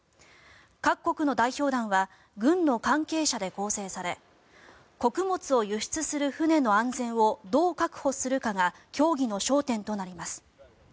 各国の代表団は軍の関係者で構成され穀物を輸出する船の安全をどう確保するかが協議の焦点となります。